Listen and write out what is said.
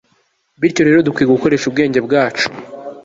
bityo rero dukwiriye gukoresha ubwenge bwacu